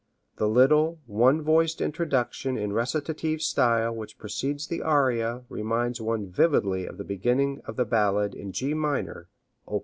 The little, one voiced introduction in recitative style which precedes the aria reminds one vividly of the beginning of the Ballade in G minor, op.